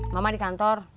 mama di kantor